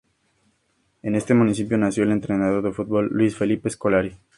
En este municipio nació el entrenador de fútbol Luiz Felipe Scolari.